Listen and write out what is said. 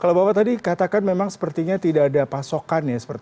kalau bapak tadi katakan memang sepertinya tidak ada pasokan ya